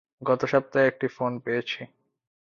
গতসপ্তাহে একটা ফোন পেয়েছি।